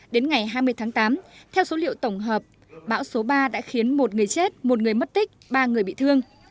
đến ngày hai mươi tháng tám theo số liệu tổng hợp bão số ba đã khiến một người chết một người mất tích ba người bị thương